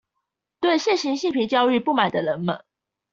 對現行性平教育不滿的人們